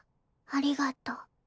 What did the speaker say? ありがとう。